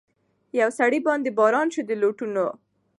پر سړي باندي باران سو د لوټونو